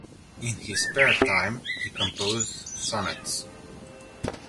In his spare time he composed sonnets.